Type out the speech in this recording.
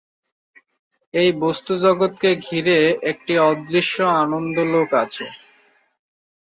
এই বস্তুজগৎকে ঘিরে একটি অদৃশ্য আনন্দলোক আছে।